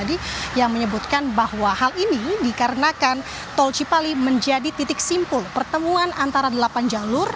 jadi yang menyebutkan bahwa hal ini dikarenakan tol cipali menjadi titik simpul pertemuan antara delapan jalur